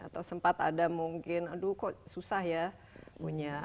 atau sempat ada mungkin aduh kok susah ya punya